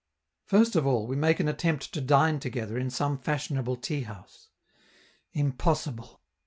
First of all, we make an attempt to dine together in some fashionable tea house. Impossible!